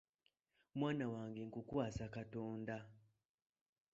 Mwana wange nkukwasa Katonda.